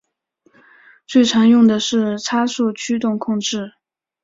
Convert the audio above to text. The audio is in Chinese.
最常用的是差速驱动控制。